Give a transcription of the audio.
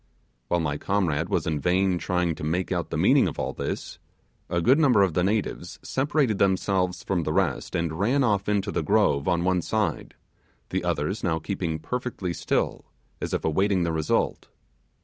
While my comrade was in vain trying to make out the meaning of all this, a good number of the natives separated themselves from the rest and ran off into the grove on one side, the others now keeping perfectly still, as if awaiting the result.